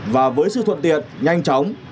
và với sự thuận tiện nhanh chóng